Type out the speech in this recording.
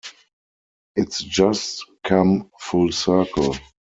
It's just come full circle.